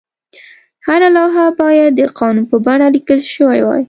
هره لوحه باید د قانون په بڼه لیکل شوې وای.